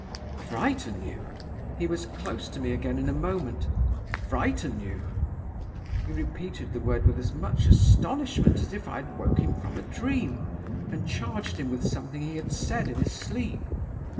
"'Frighten you!' He was close to me again in a moment. 'Frighten you!' He repeated the word with as much astonishment as if I had woke him from a dream, and charged him with something that he had said in his sleep.